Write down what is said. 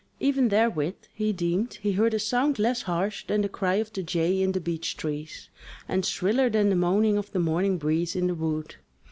Even therewith he deemed he heard a sound less harsh than the cry of the jay in the beech trees, and shriller than the moaning of the morning breeze in the wood.